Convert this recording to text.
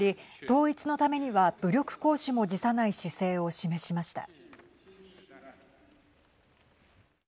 統一のためには武力行使も辞さない姿勢を示しました。